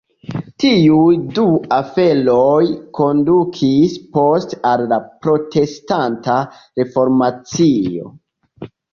Tiuj du aferoj kondukis poste al la Protestanta Reformacio.